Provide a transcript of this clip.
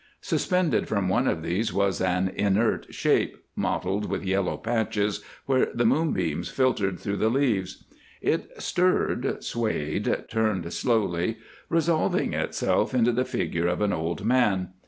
Suspended from one of these was an inert shape, mottled with yellow patches where the moonbeams filtered through the leaves. It stirred, swayed, turned slowly, resolving itself into the figure of an old man.